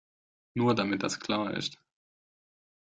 Nur, damit das klar ist.